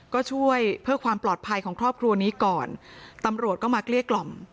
ก็ช่วยเพื่อความปลอดภัยของครอบครัวนี้ก่อนตำรวจก็มาเกลี้ยกล่อม